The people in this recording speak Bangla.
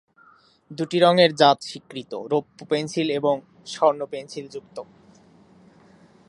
দুটি রঙের জাত স্বীকৃত, রৌপ্য-পেনসিল এবং স্বর্ণ-পেন্সিলযুক্ত।